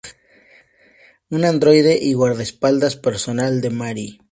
Un androide y guardaespaldas personal de Marie.